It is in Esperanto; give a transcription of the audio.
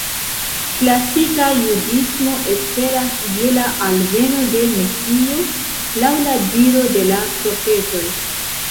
Klasika Judismo esperas je la alveno de Mesio, laŭ la diro de la profetoj.